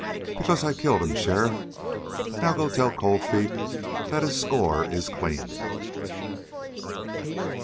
"Because I killed him, sheriff. Now go tell Cold Feet that his score is clean!"